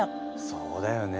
そうだよね。